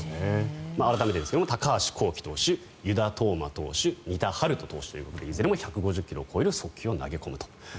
改めてですが高橋煌稀投手、湯田統真投手仁田陽翔投手ということでいずれも１５０ｋｍを超える速球を投げると。